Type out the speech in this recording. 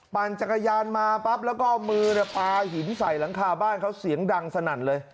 ปั่นจักรยานมาปั๊บแล้วก็เอามือปลาหินใส่หลังคาบ้านเขาเสียงดังสนั่นเลย